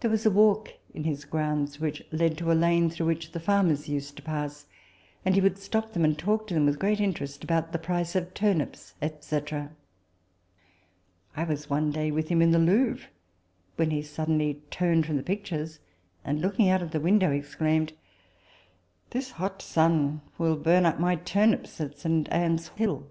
There was a walk in his grounds which led to a lane through which the farmers used to pass ; and he would stop them, and talk to them, with great interest, about the price of turnips, &c. I was one day with him in the Louvre, when he suddenly turned from the pictures, and, looking out at the window, ex claimed, " This hot sun will burn up my turnips at St. Anne's Hill."